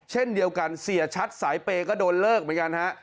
เช่นเดียวกันเสียชัดสายเปย์ก็โดนเลิกเหมือนกันฮะ